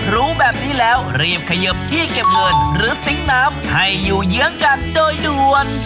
รู้แบบนี้แล้วรีบเขยิบที่เก็บเงินหรือซิงค์น้ำให้อยู่เยื้องกันโดยด่วน